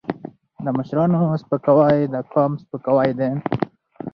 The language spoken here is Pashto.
د مشرانو سپکاوی د قوم سپکاوی دی.